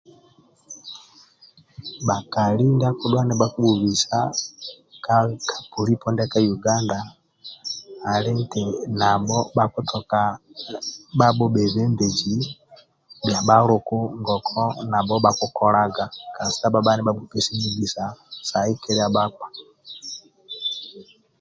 Bhakali ndia akidhuwa nibhakibhubisa ka polipo ndiaka uganda ali nti nabho bakutoka bhabho bhebembeji bhia bhaluku ngoku bakukolaga kasita bhabha nibhabhupesi nkisa sa hikilia bakpa